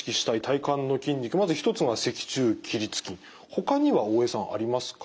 ほかには大江さんありますか？